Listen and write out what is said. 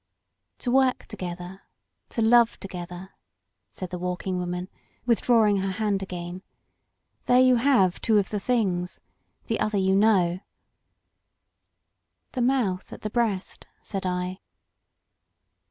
' To work together,^ to love together," said the Walking Woman, withdrawing her hand again; there you have two of the things; the other you know." The mouth at the breast," said I.